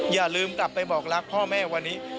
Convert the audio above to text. อย่าลืมกลับไปบอกรักพ่อแม่วันนี้